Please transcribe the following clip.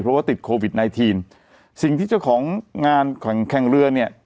เพราะว่าติดโควิดไนทีนสิ่งที่เจ้าของงานแข่งแข่งเรือเนี่ย